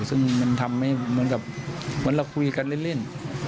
ซึ่งมันทำให้เหมือนกับเหมือนเราคุยกันเล่น